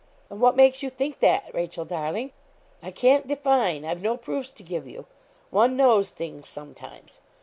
'And what makes you think that, Rachel, darling?' 'I can't define I've no proofs to give you. One knows things, sometimes.